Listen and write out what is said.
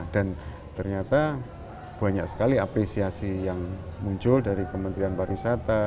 dan ternyata banyak sekali apresiasi yang muncul dari kementerian pariwisata